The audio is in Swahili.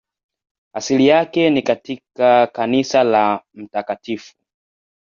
Asili yake ni katika kanisa la Mt.